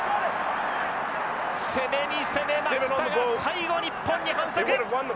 攻めに攻めましたが最後日本に反則！